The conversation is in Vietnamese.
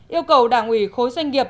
yêu cầu đảng ủy khối doanh nghiệp